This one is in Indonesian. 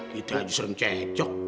gitu aja selalu cekyok